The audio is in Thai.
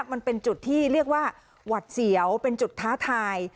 มันเป็นจุดที่เรียกว่าหวัดเสียวเป็นจุดท้าทาย